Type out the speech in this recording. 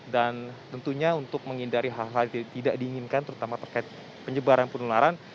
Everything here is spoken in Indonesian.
dan tentunya untuk menghindari hal hal yang tidak diinginkan terutama terkait penyebaran penularan